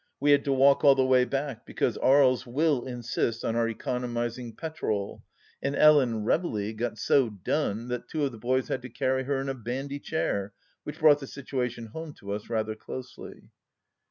We had to walk all the way back, because Aries will insist on our economising petrol, and Ellen Reveley got so done that two of the boys had to carry her in a bandy chair, which brought the situation home to us rather closely.